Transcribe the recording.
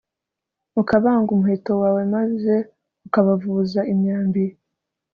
ukabanga umuheto wawe, maze ukabavuza imyambi